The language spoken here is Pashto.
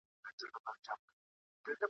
بد بویي وه که سهار وو که ماښام وو `